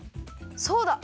そうだ。